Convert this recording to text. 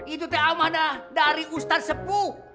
itu teh amat dah dari ustadz sepuh